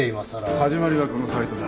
始まりはこのサイトだ。